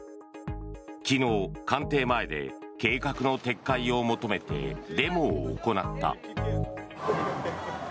昨日、官邸前で計画の撤回を求めてデモを行った。